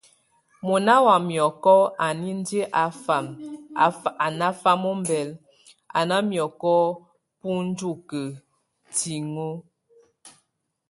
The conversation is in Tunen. Mona wa miɔkɔ a nindi a nafam ombɛlak, a ná miɔkɔ bunjuke tíŋʼ o.